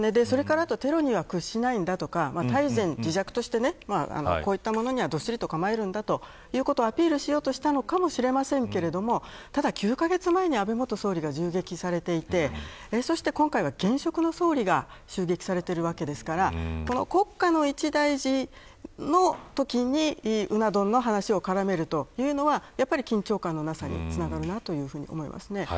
それからテロには屈しないんだとか泰然自若としてこういったものにはどっしりと構えるんだということをアピールしたのかもしれませんけれどもただ９カ月前に安倍元総理が銃撃されていて今回は、現職の総理が襲撃されているわけですから国家の一大事のときにうな丼の話を絡めるというのはやっぱり、緊張感のなさにつながるなと思います。